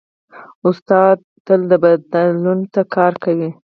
استاد تل بدلون ته کار کوي.